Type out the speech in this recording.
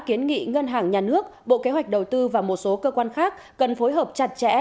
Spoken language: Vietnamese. kiến nghị ngân hàng nhà nước bộ kế hoạch đầu tư và một số cơ quan khác cần phối hợp chặt chẽ